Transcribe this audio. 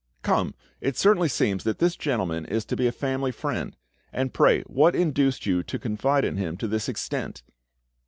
Come, it certainly seems that this gentleman is to be a family friend. And pray what induced you to confide in him to this extent?"